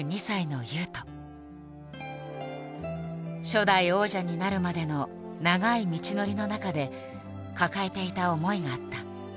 初代王者になるまでの長い道のりの中で抱えていた思いがあった。